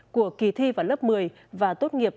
của kỳ thi vào lớp một mươi và tốt nghiệp